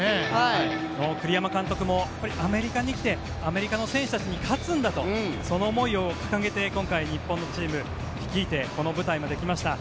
栗山監督もアメリカに来てアメリカの選手たちに勝つんだとその思いを掲げて今回、日本のチームを率いてこの舞台まで来ました。